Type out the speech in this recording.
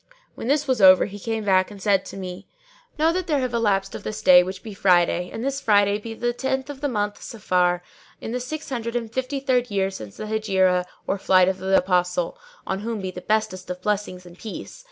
When this was over, he came back and said to me, "Know that there have elapsed of this our day, which be Friday, and this Friday be the tenth of the month Safar in the six hundred and fifty third year since the Hegira or Flight of the Apostle (on whom be the bestest of blessings and peace!)